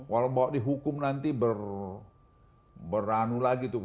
walau bahwa dihukum nanti beranu lagi tuh